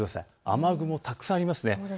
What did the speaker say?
雨雲、たくさんありますね。